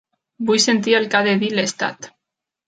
Vull sentir el que ha de dir Lestat.